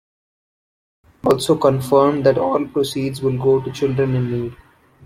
Barlow also confirmed that all proceeds will go to Children in Need.